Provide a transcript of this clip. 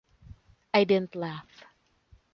I didn’t laugh.